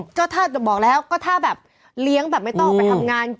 เจ้าท่าจะบอกแล้วก็ถ้าแบบเลี้ยงแบบไม่ต้องออกไปทำงาน